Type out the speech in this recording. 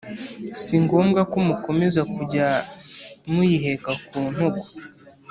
Si ngombwa ko mukomeza kujya muyiheka ku ntugu